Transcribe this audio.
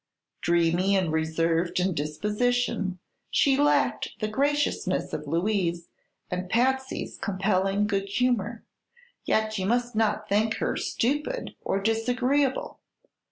Dreamy and reserved in disposition, she lacked the graciousness of Louise and Patsy's compelling good humor; yet you must not think her stupid or disagreeable.